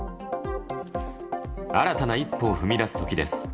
新たな一歩を踏み出す時です。